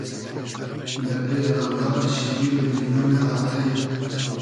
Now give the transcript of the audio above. بئلدې اۆلاد شیجیر بیریۉ یۂ آتݷ